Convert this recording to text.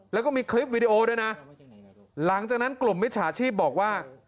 แล้วก็มีคลิปวิดีโอด้วยนะหลังจากนั้นกลุ่มมิจฉาชีพบอกว่า